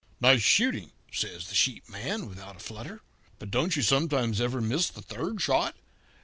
"'Nice shooting,' says the sheep man, without a flutter. 'But don't you sometimes ever miss the third shot?